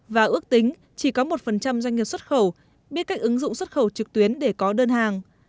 và ước tính chỉ có một doanh nghiệp xuất khẩu biết cách ứng dụng xuất khẩu trực tuyến để có đơn hàng